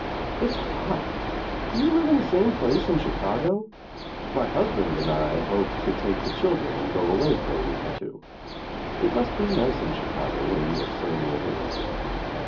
"It's hot. Do you live in the same place in Chicago? My hus band and I hope to take the children and go away for a week or two. It must be nice in Chicago where you are so near the lake."